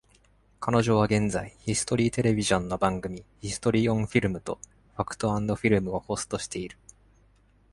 彼女は現在、ヒストリー・テレビジョンの番組「ヒストリー・オン・フィルム」と「ファクト・アンド・フィルム」をホストしている。